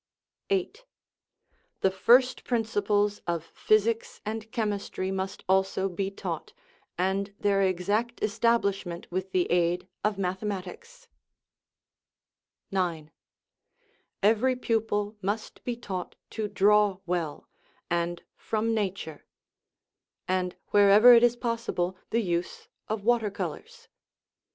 8. The first principles of physics and chemistry must also be taught, and their exact establishment with the aid of mathematics. 9. Every pupil must be taught to draw well, and 363 THE RIDDLE OF THE UNIVERSE from nature ; and, wherever it is possible, the use of water colors.